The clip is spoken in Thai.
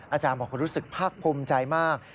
อาจารย์บอกว่ารู้สึกภาคภูมิใจมาก